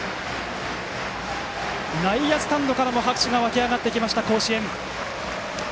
内野スタンドからも拍手が沸きあがってきました